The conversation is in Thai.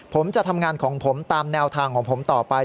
ผมจะทำงานของผมตามแนวทางของผมต่อไป